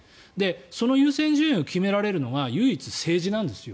その優先順位を決められるのは唯一、政治なんですよ。